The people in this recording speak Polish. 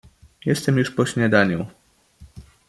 "Jestem już po śniadaniu."